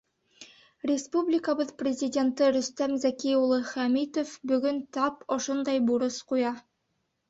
Республикабыҙ Президенты Рөстәм Зәки улы Хәмитов бөгөн тап ошондай бурыс ҡуя.